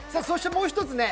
そしてもう一つ